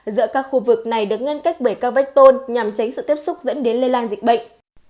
giữa các khu vực này được ngăn cách bởi các vách tôn nhằm tránh sự tiếp xúc dẫn đến lây lan dịch bệnh